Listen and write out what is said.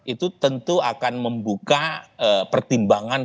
itu tentu akan membuka pertimbangan